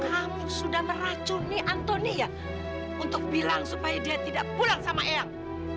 kamu sudah meracuni antonia untuk bilang supaya dia tidak pulang sama eyang